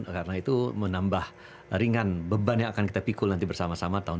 karena itu menambah ringan beban yang akan kita pikul nanti bersama sama tahun dua ribu dua puluh empat ya